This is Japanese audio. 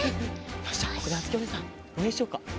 よしじゃあここであづきおねえさんおうえんしよっか。